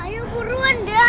iy dual untuk zwei bravo